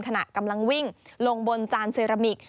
ขณะกำลังวิ่งลงบนจานเซรามิก